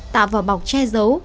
tạo vào bọc che dấu